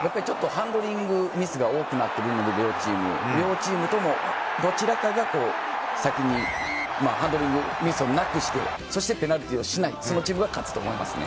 ハンドリングミスが両チームとも多くなっているので、どちらかが先にハンドリングミスをなくして、ペナルティーをしない、そのチームが勝つと思います？